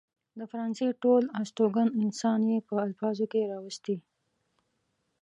د فرانسې ټول هستوګن انسان يې په الفاظو کې راوستي.